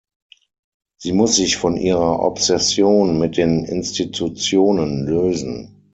Sie muss sich von ihrer Obsession mit den Institutionen lösen.